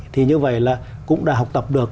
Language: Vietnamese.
thì như vậy là cũng đã học tập được